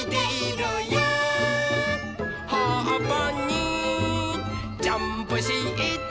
「はっぱにジャンプして」